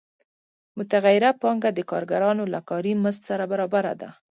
متغیره پانګه د کارګرانو له کاري مزد سره برابره ده